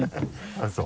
あっそう。